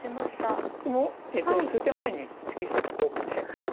これも数手前に突き捨てた効果で。